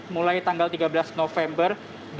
mulai tanggal tiga belas november dua ribu dua puluh